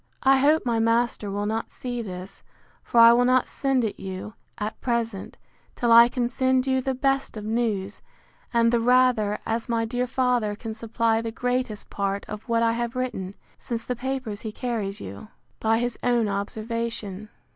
I hope my master will not see this: for I will not send it you, at present, till I can send you the best of news; and the rather, as my dear father can supply the greatest part of what I have written, since the papers he carries you, by his own observation.